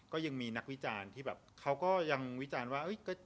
ก็ยังมีนักวิจารณ์ที่แบบเขาก็ยังวิจารณ์ว่า